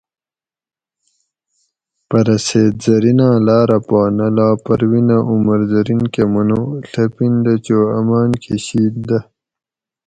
"پرہ سید زریناۤں لاۤرہ پا نہ لا پروینہ عمر زرین کۤہ منو ""ڷپین دہ چو امان کۤہ شِید دہ"